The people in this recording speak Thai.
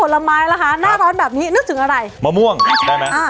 ผลไม้ล่ะคะหน้าร้อนแบบนี้นึกถึงอะไรมะม่วงได้ไหมอ่า